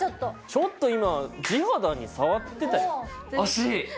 ちょっと今地肌に触ってた。